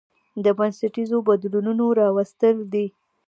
د بنسټيزو بدلونونو راوستل دي